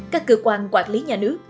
các cơ quan quản lý nhà nước